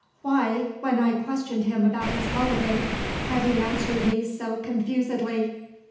Why, when I questioned him about his holiday, had he answered me so confusedly?